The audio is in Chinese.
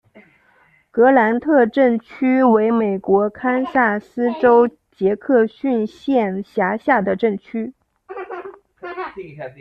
格兰特镇区为美国堪萨斯州杰克逊县辖下的镇区。